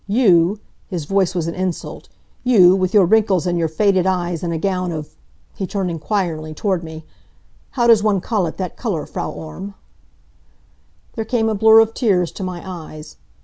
You," his voice was an insult, "you, with your wrinkles and your faded eyes in a gown of " he turned inquiringly toward me "How does one call it, that color, Frau Orme?" There came a blur of tears to my eyes.